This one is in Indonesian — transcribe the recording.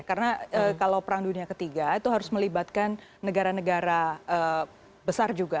karena kalau perang dunia ketiga itu harus melibatkan negara negara besar juga